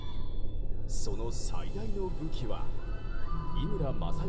その最大の武器は井村雅代